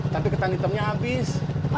tapi ketan hitamnya abis